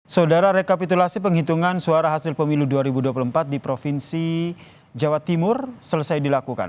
saudara rekapitulasi penghitungan suara hasil pemilu dua ribu dua puluh empat di provinsi jawa timur selesai dilakukan